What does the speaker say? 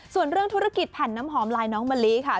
ส่วนเรื่องธุรกิจแผ่นน้ำหอมลายน้องมะลิค่ะ